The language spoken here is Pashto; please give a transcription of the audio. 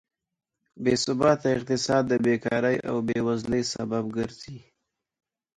بېثباته اقتصاد د بېکارۍ او بېوزلۍ سبب ګرځي.